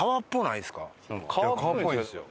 川っぽいですよ。